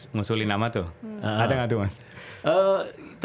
ngusulin nama tuh ada nggak tuh mas